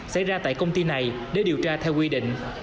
xảy ra tại công ty này để điều tra theo quy định